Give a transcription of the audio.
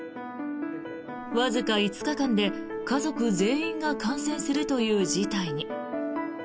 わずか５日間で家族全員が感染するという事態に。